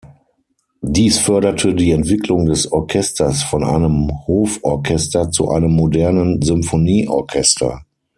Dies förderte die Entwicklung des Orchesters von einem Hoforchester zu einem modernen Symphonieorchester.